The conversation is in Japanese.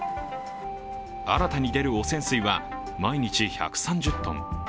新たに出る汚染水は毎日１３０ｔ。